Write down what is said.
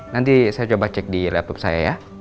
nanti saya coba cek di laptop saya ya